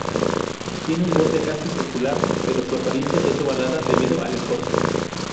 Tiene un borde casi circular, pero su apariencia es ovalada debido al escorzo.